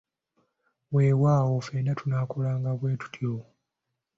Weewaawo, ffenna tunaakolanga bwetutyo!